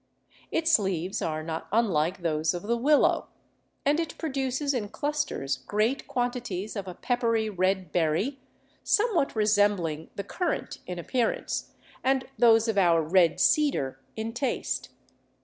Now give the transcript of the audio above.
Its leaves are not unlike those of the willow, and it produces in clusters great quantities of a peppery red berry somewhat resembling the cur rant in appearance, and those of our red cedar in taste.